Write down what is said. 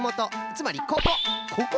つまりここ。